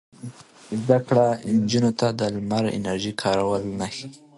زده کړه نجونو ته د لمر د انرژۍ کارول ښيي.